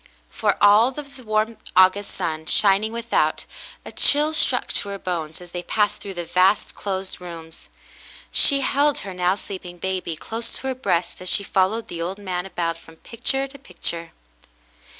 For all of the warm August sun shining without, a chill struck to her bones as they passed through the vast, closed rooms. She held her now sleeping baby close to her breast as she followed the old man about from picture to picture.